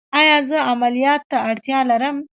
ایا زه عملیات ته اړتیا لرم؟